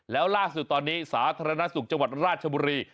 แล้วล่าสุดตอนนี้สาธารณสุขจังหวัดราชบุรี